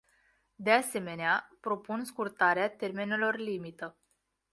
De asemenea, propun scurtarea termenelor limită.